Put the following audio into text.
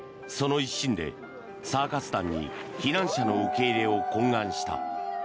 その一心で、サーカス団に避難者の受け入れを懇願した。